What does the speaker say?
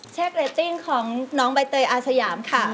เชฟเรตติ้งของน้องใบเตยอาสยามค่ะ